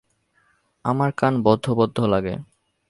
আমার কান বদ্ধ বদ্ধ লাগে।